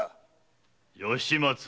吉松。